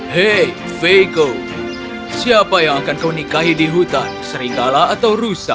hei veko siapa yang akan kau nikahi di hutan seringkala atau rusak